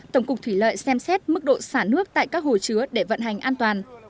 tổng cục thủy lợi xem xét mức độ xả nước tại các hồ chứa để vận hành an toàn